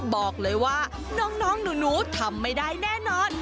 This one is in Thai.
บอกเลยว่าน้องหนูทำไม่ได้แน่นอน